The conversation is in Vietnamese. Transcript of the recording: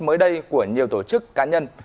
mới đây của nhiều tổ chức cá nhân